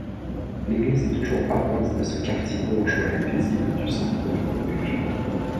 L’église est toujours paroisse de ce quartier bourgeois et paisible du centre de Bruges.